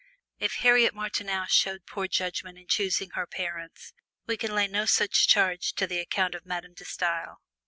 If Harriet Martineau showed poor judgment in choosing her parents, we can lay no such charge to the account of Madame De Stael.